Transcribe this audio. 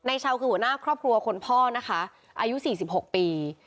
ชาวคือหัวหน้าครอบครัวคนพ่อนะคะอายุ๔๖ปี